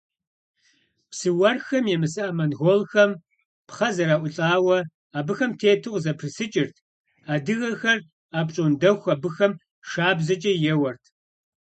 Псы уэрхэм емыса монголхэм пхъэ зэраӏулӏауэ, абыхэм тету къызэпрысыкӏырт, адыгэхэр апщӏондэху абыхэм шабзэкӏэ еуэрт.